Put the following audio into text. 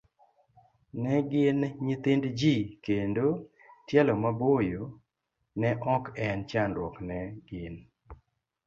Ne gin nyithind ji kendo, tielo maboyo ne ok en chandruok ne gin.